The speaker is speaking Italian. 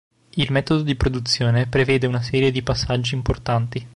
Il metodo di produzione prevede una serie di passaggi importanti.